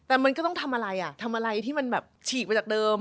แต่มันก็ต้องทำอะไรอ่ะทำอะไรที่มันแบบฉีกไปจากเดิม